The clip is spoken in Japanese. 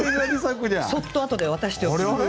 そっと後で渡しておきます。